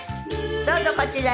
どうぞこちらへ。